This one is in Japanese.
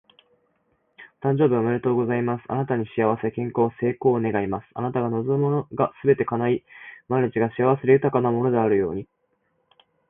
お誕生日おめでとうございます！あなたに幸せ、健康、成功を願います。あなたが望むものがすべて叶い、毎日が幸せで豊かなものであるように。